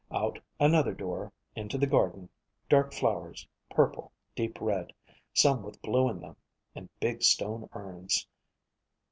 Out another door, into the garden, dark flowers, purple, deep red, some with blue in them, and big stone urns.